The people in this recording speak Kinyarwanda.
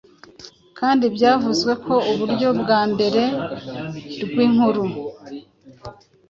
kandi byavuzwe ko uburyo bwambere bwinkuru